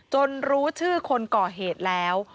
รู้ชื่อคนก่อเหตุแล้ว